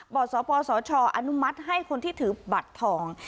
บริสุทธิ์ศพศชอนุมัติให้คนที่ถือบัตรทอง